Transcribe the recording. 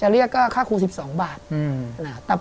หรือเรียกสินค้า๑๒บาท